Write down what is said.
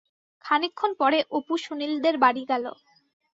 খানিকক্ষণ পরে অপু সুনীলদের বাড়ি গেল।